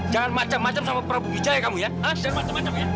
jangan macam macam sama prabu wijaya kamu ya as dan macam macam ya